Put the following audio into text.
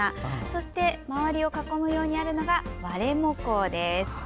そして周りを囲むようにあるのがワレモコウです。